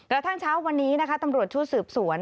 กระทั่งเช้าวันนี้นะคะตำรวจชุดสืบสวน